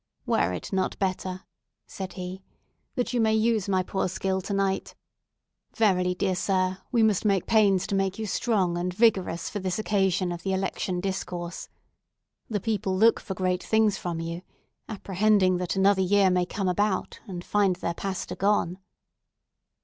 "Were it not better," said he, "that you use my poor skill tonight? Verily, dear sir, we must take pains to make you strong and vigorous for this occasion of the Election discourse. The people look for great things from you, apprehending that another year may come about and find their pastor gone."